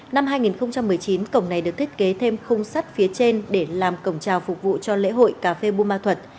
năm hai nghìn một mươi chín cổng này được thiết kế thêm khung sắt phía trên để làm cổng trào phục vụ cho lễ hội cà phê buôn ma thuật